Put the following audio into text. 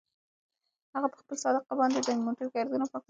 هغه په خپله صافه باندې د موټر ګردونه پاکول.